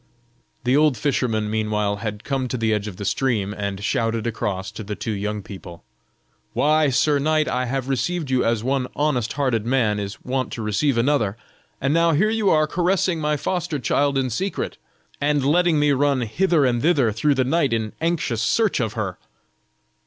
The old fisherman meanwhile had come to the edge of the stream, and shouted across to the two young people; "Why, sir knight, I have received you as one honest hearted man is wont to receive another, and now here you are caressing my foster child in secret, and letting me run hither and thither through the night in anxious search of her."